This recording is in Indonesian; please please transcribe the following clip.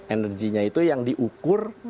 energinya itu yang diukur